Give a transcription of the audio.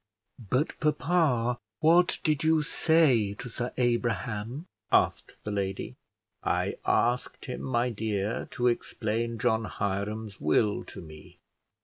"But, papa, what did you say to Sir Abraham?" asked the lady. "I asked him, my dear, to explain John Hiram's will to me.